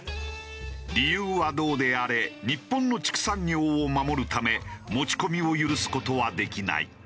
理由はどうであれ日本の畜産業を守るため持ち込みを許す事はできない。